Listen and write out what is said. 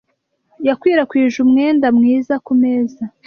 Yakwirakwije umwenda mwiza ku meza.